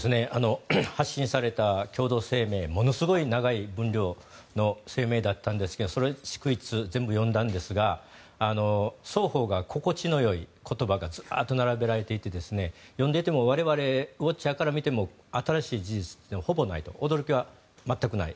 発信された共同声明ものすごい長い分量の声明だったんですけどそれ、逐一全部読んだんですが双方が心地のよい言葉がずらっと並べられていて読んでいても我々ウォッチャーから見ていても新しい事実は、ほぼないと驚きは全くない。